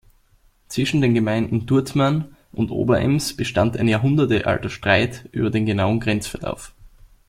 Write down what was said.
Zwischen den Gemeinden Turtmann und Oberems bestand ein jahrhundertealter Streit über den genauen Grenzverlauf.